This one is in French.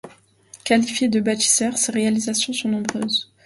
Qualifié de bâtisseur, ses réalisations sont nombreuses.